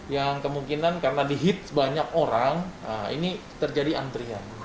yang kemungkinan karena di hits banyak orang ini terjadi antrian